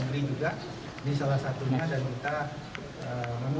ada pula yang memanfaatkan penelitian dan pengembangan untuk penguatan daya saing produk mereka